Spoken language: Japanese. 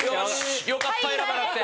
よかった選ばなくて。